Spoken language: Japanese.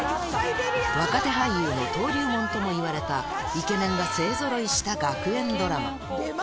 若手俳優の登竜門ともいわれた、イケメンが勢ぞろいした学園ドラマ。